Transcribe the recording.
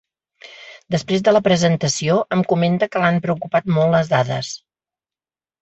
Després de la presentació, em comenta que l’han preocupat molt les dades.